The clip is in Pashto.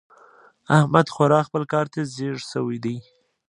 احمد خورا خپل کار ته ځيږ شوی دی.